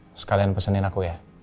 terus kalian pesenin aku ya